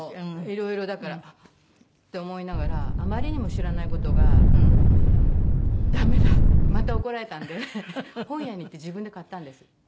色々だからあっって思いながらあまりにも知らない事が駄目だってまた怒られたんで本屋に行って自分で買ったんです